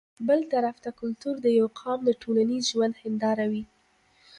بل طرف ته کلتور د يو قام د ټولنيز ژوند هنداره وي